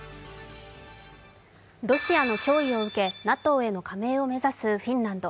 ロシアの脅威を受けＮＡＴＯへの加盟を目指すフィンランド。